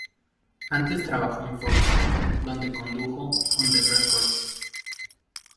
Antes trabajó en Fox, donde condujo On The Record.